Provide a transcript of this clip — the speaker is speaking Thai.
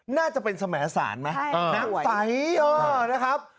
น่าจะเป็นสมแสนนะน้ำใสอ่ะนะครับ